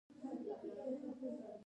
بانکونه د نوښتګرو طرحو مالي ملاتړ کوي.